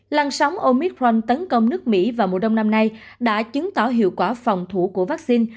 làn sóng omicron tấn công nước mỹ vào mùa đông năm nay đã chứng tỏ hiệu quả phòng thủ của vaccine